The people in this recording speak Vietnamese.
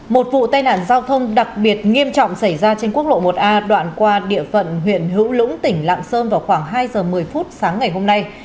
một vụ tai nạn giao thông đặc biệt nghiêm trọng xảy ra trên quốc lộ một a đoạn qua địa phận huyện hữu lũng tỉnh lạng sơn vào khoảng hai giờ một mươi phút sáng ngày hôm nay